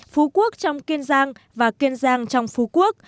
phú quốc trong kiên giang và kiên giang trong phú quốc